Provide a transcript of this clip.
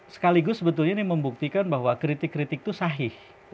sekaligus sebetulnya ini membuktikan bahwa kritik kritik itu sahih